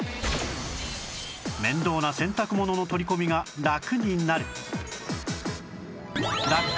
面倒な洗濯物の取り込みがラクになる